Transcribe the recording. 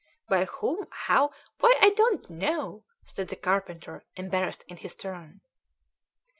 "By whom? how? Why, I don't know," said the carpenter, embarrassed in his turn.